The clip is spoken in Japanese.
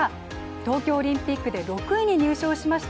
東京オリンピックで６位に入賞しました